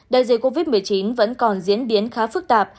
đại dịch covid một mươi chín vẫn còn diễn biến khá phức tạp